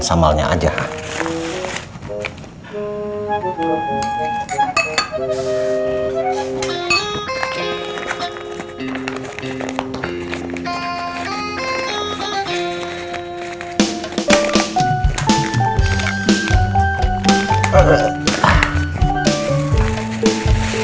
sampai jumpa lagi